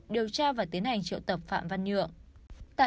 điều tra và tiến hành triệu tập phạm văn nhượng